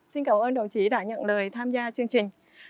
xin cảm ơn đồng chí đã nhận lời tham gia chương trình